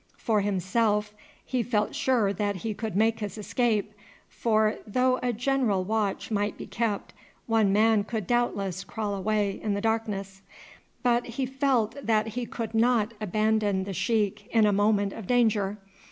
For himself, he felt sure that he could make his escape, for though a general watch might be kept, one man could doubtless crawl away in the darkness; but he felt that he could not abandon the sheik in a moment of danger.